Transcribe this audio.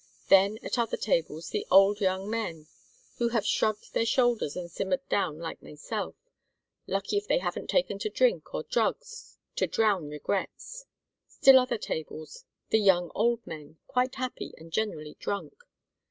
Then at other tables the old young men who have shrugged their shoulders and simmered down like myself; lucky if they haven't taken to drink or drugs to drown regrets. Still other tables the young old men, quite happy, and generally drunk.